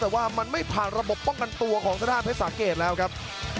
แต่ว่ามันไม่ผ่านระบบป้องกันตัวของทางด้านเพชรสาเกตแล้วครับ